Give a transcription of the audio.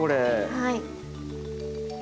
はい。